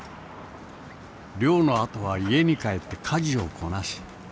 漁の後は家に帰って家事をこなし